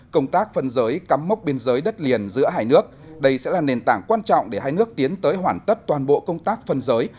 công tác phân giới cắm mốc biên giới đất liền giữa hai nước đây sẽ là nền tảng quan trọng để hai nước tiến tới hoàn tất toàn bộ công tác phân giới